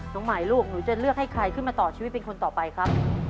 น้องใหม่ลูกหนูจะเลือกให้ใครขึ้นมาต่อชีวิตเป็นคนต่อไปครับ